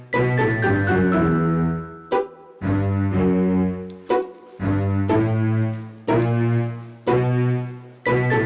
direktur dekat di sekolah vaik ihren